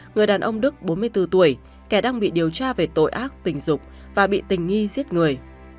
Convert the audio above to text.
người đàn ông đức bốn mươi bốn tuổi kẻ đang bị điều tra về tội ác tình dục và bị tình nghi giết người